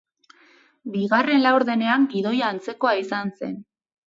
Bigarren laurdenean gidoia antzekoa izan zen.